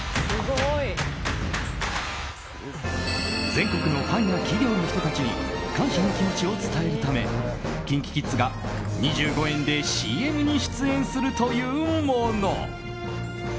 全国のファンや企業の人たちに感謝の気持ちを伝えるためＫｉｎＫｉＫｉｄｓが２５円でＣＭに出演するというもの。